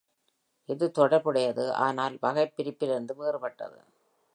இது தொடர்புடையது, ஆனால் வகைபிரிப்பிலிருந்து வேறுபட்டது.